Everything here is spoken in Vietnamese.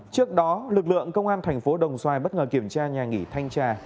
trước đó lực lượng công an thành phố đồng xoài bất ngờ kiểm tra nhà nghỉ thanh trà